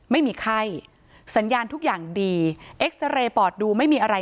ไม่มีไข้สัญญาณทุกอย่างดีเอ็กซาเรย์ปอดดูไม่มีอะไร